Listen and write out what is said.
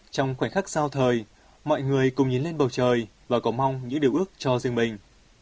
trong khoảnh khắc sau thời mọi người cùng nhìn lên bầu trời và cỏ mong những điều ước cho riêng mình